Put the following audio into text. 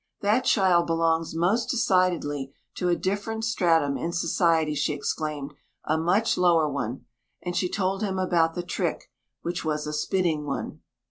"That child belongs most decidedly to a different stratum in society," she exclaimed, "a much lower one," and she told him about the trick, which was a spitting one.